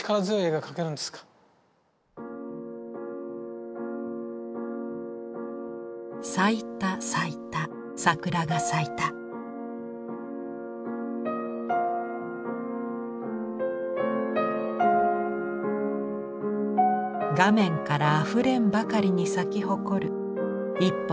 画面からあふれんばかりに咲き誇る一本の桜。